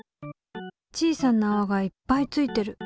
小さなあわがいっぱいついてる！